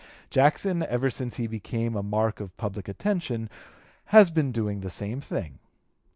Jackson, ever since he became a mark of public attention, has been doing the same thing....